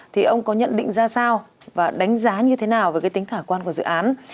thì ông có nhận định ra sao và đánh giá như thế nào về cái tính khả quan của dự án